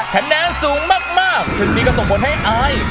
คะแนนสูงมากคุณทีก็ส่งบทให้อาย